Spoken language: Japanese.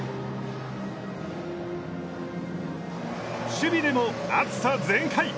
守備でも熱さ全開！